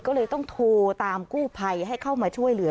ก็เลยต้องโทรตามกู้ภัยให้เข้ามาช่วยเหลือ